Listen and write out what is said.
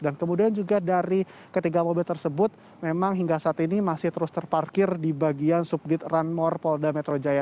dan kemudian juga dari ketiga mobil tersebut memang hingga saat ini masih terus terparkir di bagian subdit runmore polda metro jaya